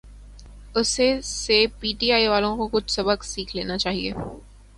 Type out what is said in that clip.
اسی سے P T I والوں کو کچھ سبق سیکھ لینا چاہیے۔